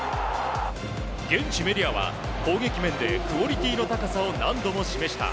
現地メディアは攻撃面でクオリティーの高さを何度も示した。